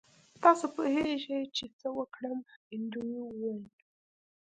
تاسو پوهیږئ چې څه وکړم انډریو وویل